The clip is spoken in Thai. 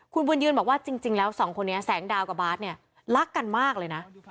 คุณบุญยืนบอกว่าจริงแล้วสองคนนี้แสงดาวกับบาทเนี่ยรักกันมากเลยนะ